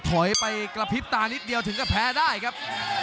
ถอยไปกระพริบตานิดเดียวถึงกับแพ้ได้ครับ